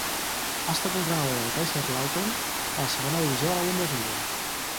Ha estat entrenador del Kaiserslautern a la segona divisió de la Bundesliga.